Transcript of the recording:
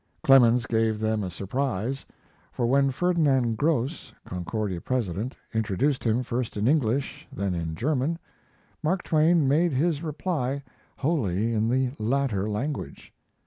Clemens gave them a surprise, for when Ferdinand Gross, Concordia president, introduced him first in English, then in German, Mark Twain made his reply wholly in the latter language.